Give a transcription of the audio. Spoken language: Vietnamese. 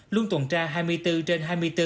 luôn tuần tra hai mươi bốn trên hai mươi bốn